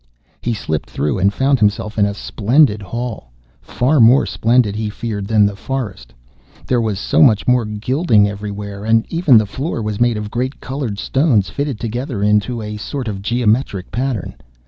He slipped through, and found himself in a splendid hall, far more splendid, he feared, than the forest, there was so much more gilding everywhere, and even the floor was made of great coloured stones, fitted together into a sort of geometrical pattern.